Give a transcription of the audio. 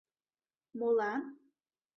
Молан?»